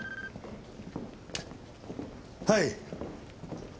はい。